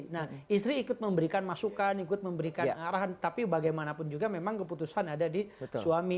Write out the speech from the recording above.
nah istri ikut memberikan masukan ikut memberikan arahan tapi bagaimanapun juga memang keputusan ada di suami